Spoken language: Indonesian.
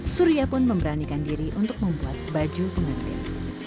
surya pun memberanikan diri untuk membuat baju pengantin